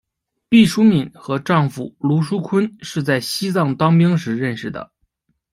毕淑敏和丈夫芦书坤是在西藏当兵时认识的。